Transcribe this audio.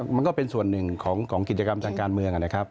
มันก็เป็นส่วนหนึ่งของกิจกรรมทางการเมืองนะครับ